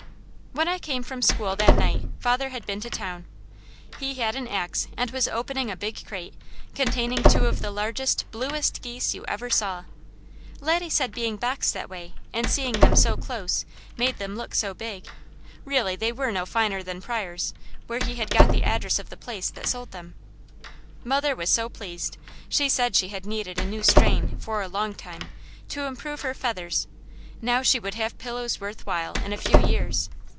When I came from school that night father had been to town. He had an ax and was opening a big crate, containing two of the largest, bluest geese you ever saw. Laddie said being boxed that way and seeing them so close made them look so big; really, they were no finer than Pryors', where he had got the address of the place that sold them. Mother was so pleased. She said she had needed a new strain, for a long time, to improve her feathers; now she would have pillows worth while, in a few years.